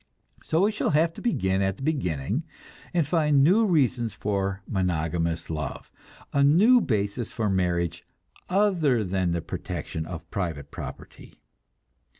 So we shall have to begin at the beginning and find new reasons for monogamous love, a new basis of marriage other than the protection of private property.